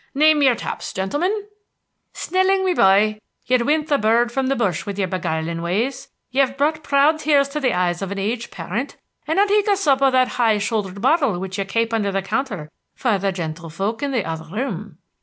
Name your taps, gentlemen." "Snelling, me boy, ye'd win the bird from the bush with yer beguilin' ways. Ye've brought proud tears to the eyes of an aged parent, and I'll take a sup out of that high showldered bottle which you kape under the counter for the gentle folk in the other room."